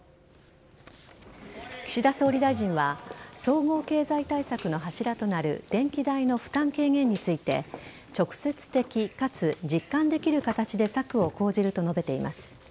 岸田総理大臣は総合経済対策の柱となる電気代の負担軽減について直接的かつ実感できる形で策を講じると述べています。